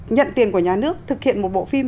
nhận tiền của nhà nước thực hiện một bộ phim